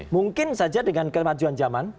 mungkin saja dengan kemajuan zaman